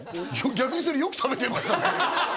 逆にそれよく食べてましたね